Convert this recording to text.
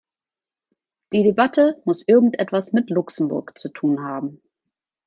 Die Debatte muss irgend etwas mit Luxemburg zu tun haben.